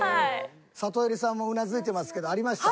サトエリさんもうなずいてますけどありました？